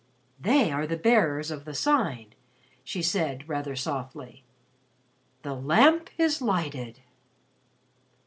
"They are the Bearers of the Sign," she said rather softly. "'The Lamp is lighted.'"